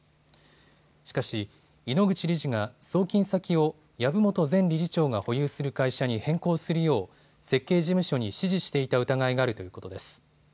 しかし井ノ口理事が送金先を藪本前理事長が保有する会社に変更するよう設計事務所に指示していた疑いがあるということです。